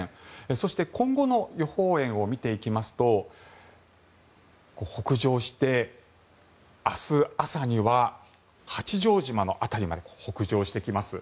そして今後の予報円を見ていきますと北上して、明日朝には八丈島の辺りまで北上してきます。